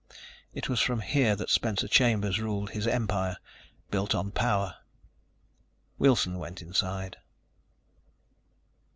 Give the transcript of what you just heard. It was from here that Spencer Chambers ruled his empire built on power. Wilson went inside.